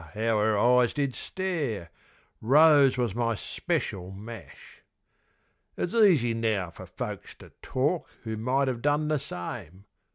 how 'er eyes did stare) Rose was my speshul mash. It's easy now fer folks to talk who might have done the same.